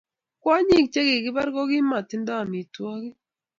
kwonyik che kikipar ko kimatindo amitwakik